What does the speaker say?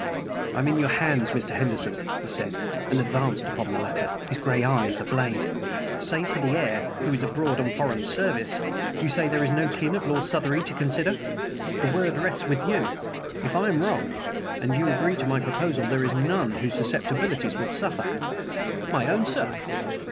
"I am in your hands, Mr. Henderson," he said, and advanced upon the latter, his gray eyes ablaze. "Save for the heir, who is abroad on foreign service, you say there is no kin of Lord Southery to consider. The word rests with you. If I am wrong, and you agree to my proposal, there is none whose susceptibilities will suffer " "My own, sir!"